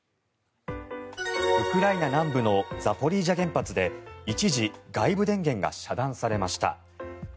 ウクライナ南部のザポリージャ原発で一時、外部電源が遮断されました。